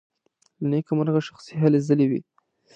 له نېکه مرغه شخصي هلې ځلې وې.